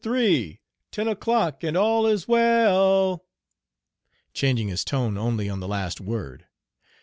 3, ten o'clock and all is well l l," changing his tone only on the last word.